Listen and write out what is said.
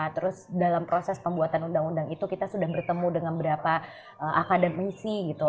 terus dalam proses pembuatan undang undang itu kita sudah bertemu dengan beberapa akademisi gitu